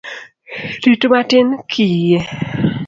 Rit matin kiyie.